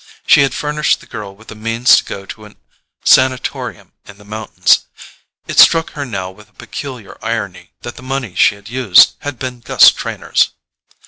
She had furnished the girl with the means to go to a sanatorium in the mountains: it struck her now with a peculiar irony that the money she had used had been Gus Trenor's.